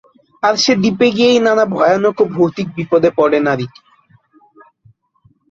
আর সে দ্বীপে গিয়েই নানা ভয়ানক ও ভৌতিক বিপদে পড়ে নারীটি।